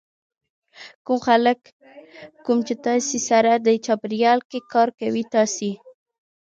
کوم خلک کوم چې تاسې سره دې چاپېریال کې کار کوي تاسې